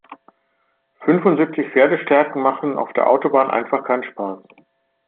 Fünfundsiebzig Pferdestärken machen auf der Autobahn einfach keinen Spaß.